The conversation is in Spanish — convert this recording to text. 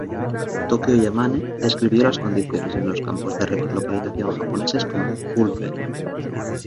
Tokio Yamane describió las condiciones en los campos de relocalización japoneses como ""bullpen"".